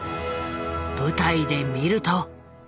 舞台で見ると。